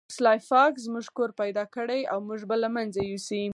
سلای فاکس زموږ کور پیدا کړی او موږ به له منځه یوسي